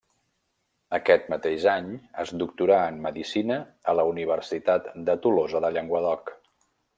Aquest mateix any es doctorà en medicina a la Universitat de Tolosa de Llenguadoc.